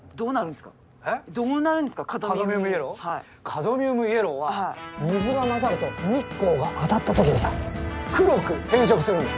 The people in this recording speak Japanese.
カドミウムイエローは水が混ざると日光が当たったときにさ黒く変色するんだ。